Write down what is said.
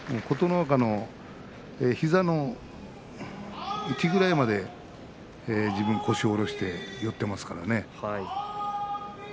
琴ノ若の膝の位置ぐらいまで自分が腰を下ろして寄っていますね。